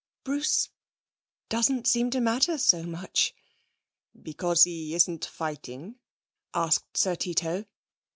'Bruce doesn't seem to matter so much.' 'Because he isn't fighting?' asked Sir Tito.